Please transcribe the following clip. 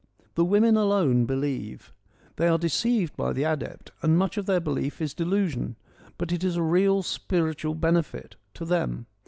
The women alone believe : they are deceived by the adept, and much of their belief is delusion, but it is a real spiritual benefit — to them.